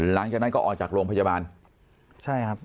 หลังจากนั้นก็ออกจากโรงพยาบาลใช่ครับ